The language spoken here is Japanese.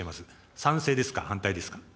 賛成ですか、反対ですか。